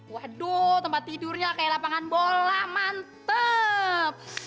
waduh tempat tidurnya kayak lapangan bola mantep